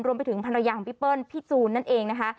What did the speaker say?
รวมไปถึงภรรยาของพี่เปิ้ลพี่จูนนั่นเองนะคะ